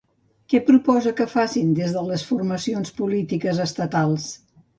Què proposa que facin des de les formacions polítiques estatals?